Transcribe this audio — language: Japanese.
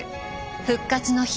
「復活の日」